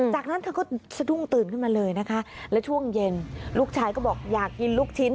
จากนั้นเธอก็สะดุ้งตื่นขึ้นมาเลยนะคะและช่วงเย็นลูกชายก็บอกอยากกินลูกชิ้น